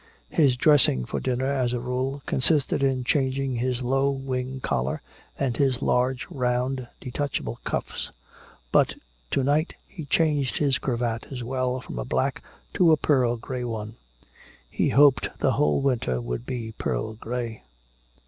His dressing for dinner, as a rule, consisted in changing his low wing collar and his large round detachable cuffs; but to night he changed his cravat as well, from a black to a pearl gray one. He hoped the whole winter would be pearl gray.